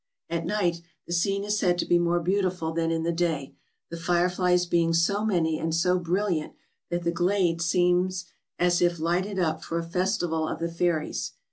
At night the scene is said to be more beautiful than in the day, the fireflies being so many and so brilliant that the glades seem as if lighted up for a festival of the fairies.